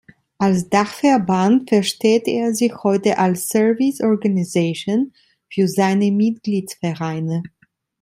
Als Dachverband versteht er sich heute als „Service-Organisation“ für seine Mitgliedsvereine.